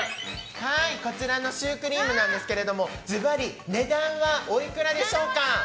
こちらのシュークリームなんですけどもズバリ値段はおいくらでしょうか。